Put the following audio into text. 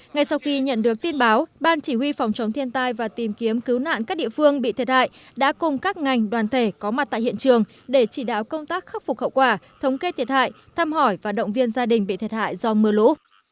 ngay sau khi nhận được tin báo ban chỉ huy phòng chống thiên tai và tìm kiếm cứu nạn các địa phương bị thiệt hại đã cùng các ngành đoàn thể có mặt tại hiện trường để chỉ đạo công tác khắc phục hậu quả thống kê thiệt hại thăm hỏi và động viên gia đình bị thiệt hại do mưa lũ